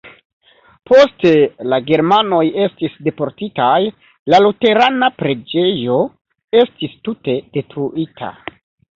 Poste la germanoj estis deportitaj, la luterana preĝejo estis tute detruita.